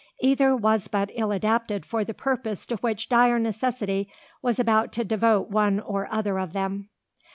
Either was but ill adapted for the purpose to which dire necessity was about to devote one or other of them.